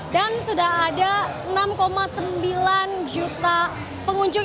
dan sudah ada enam sembilan juta pengunjung